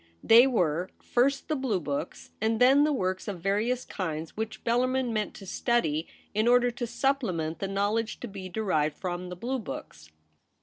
They were first the blue books, and then the works of various kinds which Bellarmin meant to study in order to supplement the knowledge to be derived from the blue books.